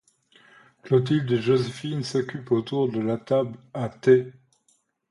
Clotilde et Joséphine s’occupaient autour de la table à thé.